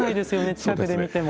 近くで見ても。